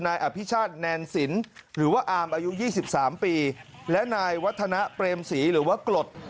นายอภิชาติแนนสินหรือว่าอามอายุ๒๓ปีและนายวัฒนะเปรมศรีหรือว่ากรด